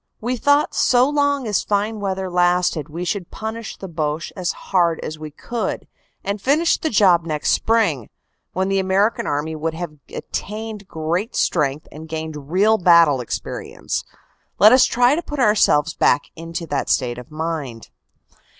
We thought that so long as fine weather lasted we should punish the Boche as hard as we could, and finish the job next spring, when the American AFTER THE BATTLE 277 army would have attained great strength and gained real battle experience. Let us try to put ourselves back into that state of mind.